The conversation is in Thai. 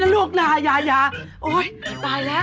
ตายแล้ว